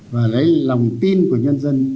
và lấy lòng tin của nhân dân